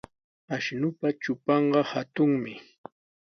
Ashnupa trupanqa hatunmi.